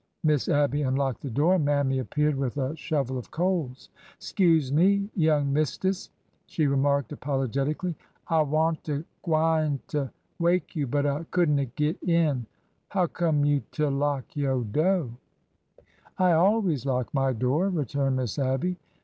Miss Abby unlocked the door, and Mammy appeared with a shovel of coals. 'Scuse me, young mistis," she remarked apologeti cally ;'' I wa'n't gwineter wake you, but I could n't git in. Huccome you to lock yo' do' ?" I always lock my door," returned Miss Abby.